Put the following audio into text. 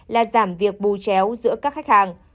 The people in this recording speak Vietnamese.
là giảm việc bù chéo giữa các khách hàng